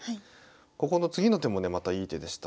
ここの次の手もねまたいい手でした。